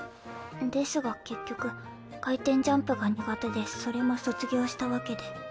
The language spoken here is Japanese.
ですが結局回転ジャンプが苦手でそれも卒業したわけで。